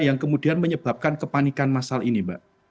yang kemudian menyebabkan kepanikan masal ini mbak